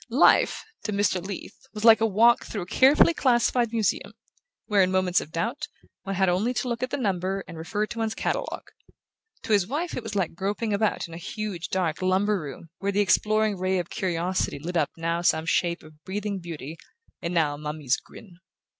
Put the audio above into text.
Life, to Mr. Leath, was like a walk through a carefully classified museum, where, in moments of doubt, one had only to look at the number and refer to one's catalogue; to his wife it was like groping about in a huge dark lumber room where the exploring ray of curiosity lit up now some shape of breathing beauty and now a mummy's grin.